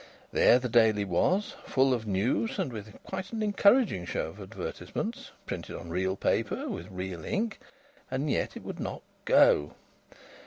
There the Daily was, full of news, and with quite an encouraging show of advertisements, printed on real paper with real ink and yet it would not "go."